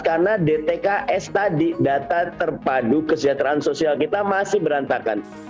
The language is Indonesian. karena dtks tadi data terpadu kesejahteraan sosial kita masih berantakan